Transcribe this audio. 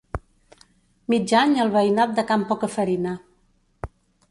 Mig any al veïnat de can Pocafarina.